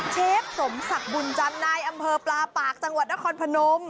เชฟสมศักดิ์บุญจันทร์นายอำเภอปลาปากจังหวัดนครพนม